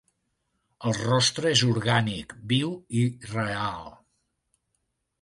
El rostre és orgànic, viu i real.